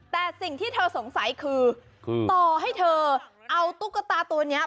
แต่สิ่งที่เธอสงสัยคือต่อให้เธอเอาตุ๊กตาตัวนี้